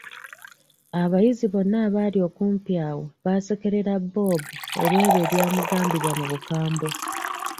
Abayizi bonna abaali okumpi awo baasekerera Bob, olw'ebyo ebyamugambibwa mu bukambwe.